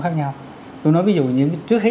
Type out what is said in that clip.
khác nhau tôi nói ví dụ trước hết